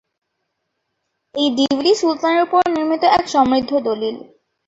এই ডিভিডি সুলতানের ওপর নির্মিত এক সমৃদ্ধ দলিল।